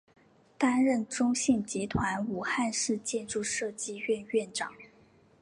担任中信集团武汉市建筑设计院院长。